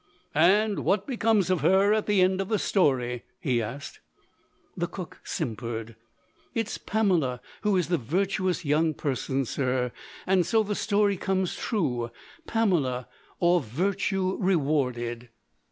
"And what becomes of her at the end of the story?" he asked. The cook simpered. "It's Pamela who is the virtuous young person, sir. And so the story comes true Pamela, or Virtue Rewarded."